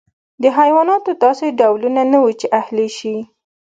د حیواناتو داسې ډولونه نه وو چې اهلي شي.